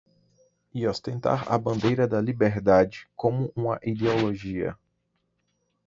E ostentar a bandeira da liberdade como uma ideologia!